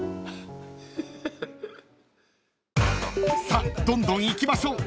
［さあどんどんいきましょう］